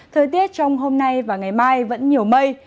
thời tiết trong hôm nay và ngày mai vẫn nhiều mây